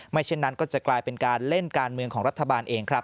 เช่นนั้นก็จะกลายเป็นการเล่นการเมืองของรัฐบาลเองครับ